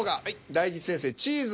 大吉先生「チーズ」